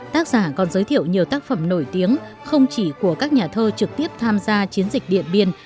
tác giả còn giới thiệu nhiều tác phẩm nổi tiếng không chỉ của các nhà thơ trực tiếp tham gia chiến dịch điện biên